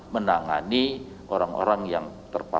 menangani orang orang yang tidak bisa menolak